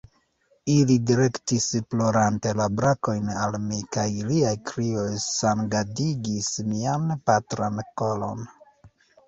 Ili direktis plorante la brakojn al mi, kaj iliaj krioj sangadigis mian patran koron.